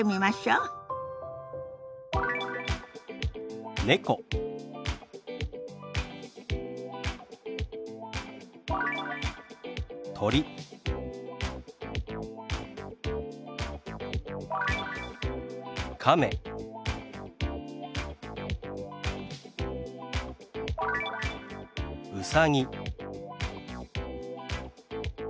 「うさぎ」。